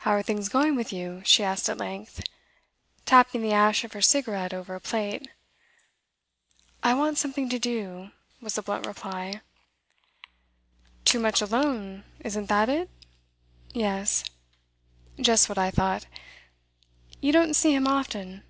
'How are things going with you?' she asked at length, tapping the ash of her cigarette over a plate. 'I want something to do,' was the blunt reply. 'Too much alone isn't that it?' 'Yes.' 'Just what I thought. You don't see him often?